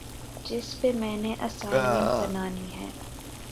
جس پہ میں نے اسائنمنٹ بنانی ہے